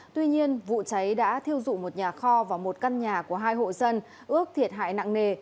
tuy nhiên vụ cháy đã thiêu dụi một nhà kho và một căn nhà của hai hộ dân ước thiệt hại nặng nề